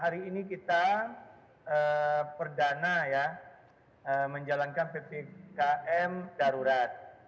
hari ini kita perdana ya menjalankan ppkm darurat